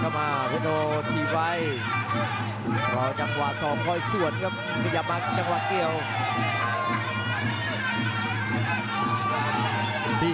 เจอซ้ายหน้าครับว่างซ้ายอีกที